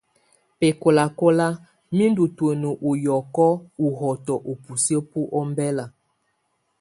Bɛkɔlakɔla, mɛ ndù tùǝ́nǝ ù yɔkɔ ù hɔtɔ ubusiǝ́ bu ɔmbela.